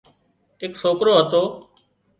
ايڪز سوڪرو هتو